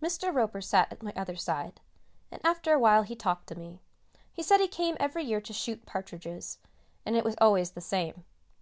Mr. Roper sat at my other side, and after a while he talked to me; he said he came every year to shoot partridges, and it was always the same.